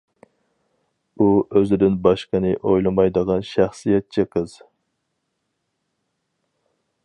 ئۇ ئۆزىدىن باشقىنى ئويلىمايدىغان شەخسىيەتچى قىز.